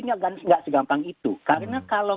nggak segampang itu karena kalau